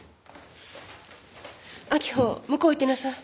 秋穂向こう行ってなさい。